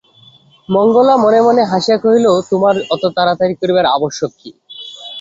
মঙ্গলা মনে মনে হাসিয়া কহিল, তোমার অত তাড়াতাড়ি করিবার আবশ্যক কী?